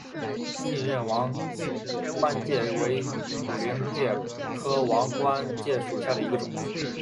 信阳王冠介为土菱介科王冠介属下的一个种。